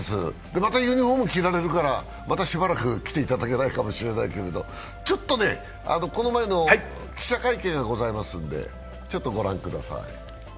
またユニフォーム着られるから、またしばらく来ていただけないかもしれないけど、この前の記者会見がございますので御覧ください。